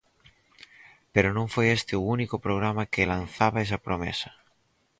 Pero non foi este o "único" programa que lanzaba esa promesa.